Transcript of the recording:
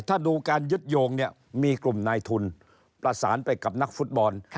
ถ้าดูการยึดโยงเนี่ยมีกลุ่มนายทุนประสานไปกับนักฟุตบอล